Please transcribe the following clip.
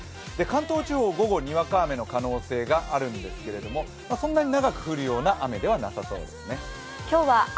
関東地方、午後、にわか雨の可能性があるんですけどそんなに長く降るような雨ではなさそうですね。